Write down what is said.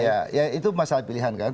ya ya itu masalah pilihan kan